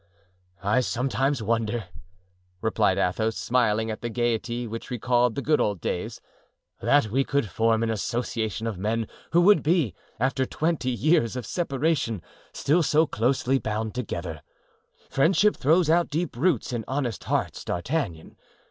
"I sometimes wonder," replied Athos, smiling at that gayety which recalled the good old days, "that we could form an association of men who would be, after twenty years of separation, still so closely bound together. Friendship throws out deep roots in honest hearts, D'Artagnan.